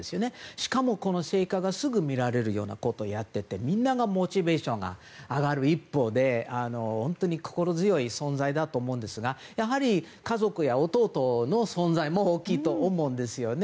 しかも、この成果がすぐみられるようなことをやっていてみんなのモチベーションが上がる一方で本当に心強い存在だと思いますがやはり家族や弟の存在も大きいと思うんですよね。